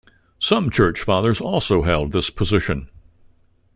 Some Church Fathers also held this position.